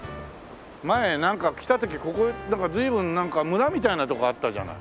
前なんか来た時ここ随分なんか村みたいなとこあったじゃない。